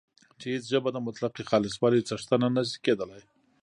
چې هیڅ ژبه د مطلقې خالصوالي څښتنه نه شي کېدلای